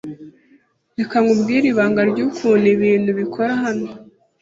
Reka nkubwire ibanga ryukuntu ibintu bikora hano.